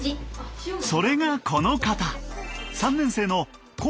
それがこの方。